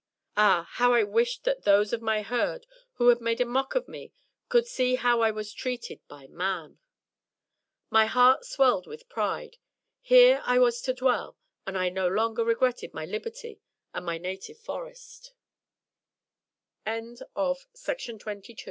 Ah! how I wished that those of my Herd who had made a mock of me could see how I was treated by Men! My heart swelled with pride, here I was to dwell, and I no longer regretted my liberty and my native